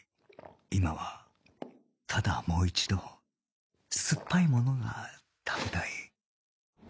今はただもう一度酸っぱいものが食べたい